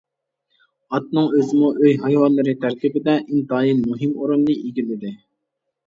ئاتنىڭ ئۆزىمۇ ئۆي ھايۋانلىرى تەركىبىدە ئىنتايىن مۇھىم ئورۇننى ئىگىلىدى.